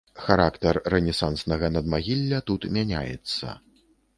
Характар рэнесанснага надмагілля тут мяняецца.